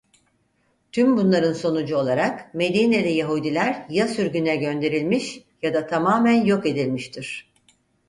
Tüm bunların sonucu olarak Medineli Yahudiler ya sürgüne gönderilmiş ya da tamamen yok edilmiştir.